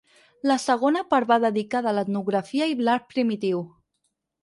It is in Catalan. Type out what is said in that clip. La segona part va dedicada a l’etnografia i l’art primitiu.